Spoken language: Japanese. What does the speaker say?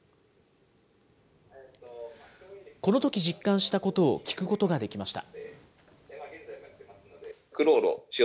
このとき実感したことを聞くことができました。